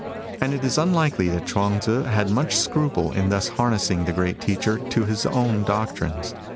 And it is unlikely that Chuang Tzu had much scruple in thus harnessing the great Teacher to his own doctrines.